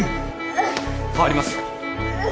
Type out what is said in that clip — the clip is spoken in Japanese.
代わりますよ。